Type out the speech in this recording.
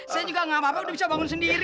saya juga gak apa apa udah bisa bangun sendiri